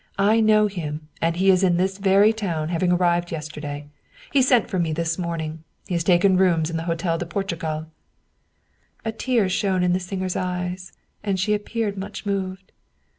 " I know him, and he is in this very town, having arrived yesterday. He sent for me this morning; he has taken rooms in the Hotel de Portugal/' A tear shone in the singer's eyes, and she appeared much moved.